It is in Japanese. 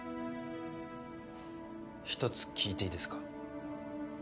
一つ聞いていいですか？